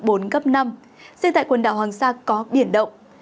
dưới tại quần đảo hoàng sa có biển động